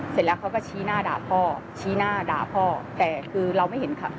เสร็จแล้วเขาก็ชี้หน้าด่าพ่อชี้หน้าด่าพ่อแต่คือเราไม่เห็นค่ะ